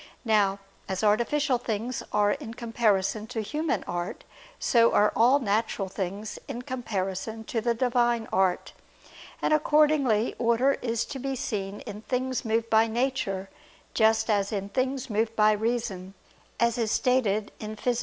Now as artificial things are in comparison to human art, so are all natural things in comparison to the Divine art. And accordingly order is to be seen in things moved by nature, just as in things moved by reason, as is stated in _Phys.